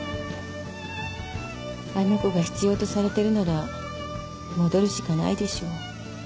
あの子が必要とされてるなら戻るしかないでしょう。